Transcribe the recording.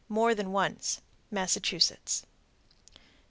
more than once. _Massachusetts.